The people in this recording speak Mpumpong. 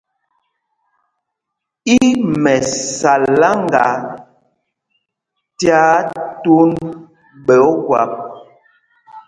Í Mɛsaláŋga tyaa tūnd ɓɛ̌ Ogwâp.